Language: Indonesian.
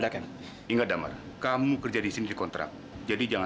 kenapa baru pulang